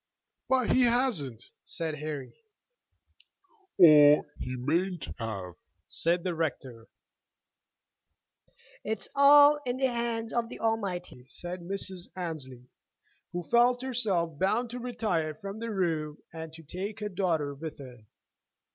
"But he hasn't," said Harry. "Or he mayn't have," said the rector. "It's all in the hands of the Almighty," said Mrs. Annesley, who felt herself bound to retire from the room and to take her daughter with her.